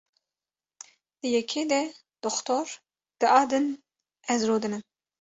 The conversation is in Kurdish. Di yekê de Dr. di a din ez rûdinim.